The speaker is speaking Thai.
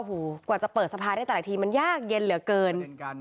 โอ้โหกว่าจะเปิดสภาได้แต่ละทีมันยากเย็นเหลือเกิน